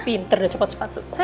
pinter udah cepat sepatu